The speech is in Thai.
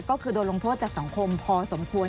ก็คือโดนลงโทษจากสังคมพอสมควร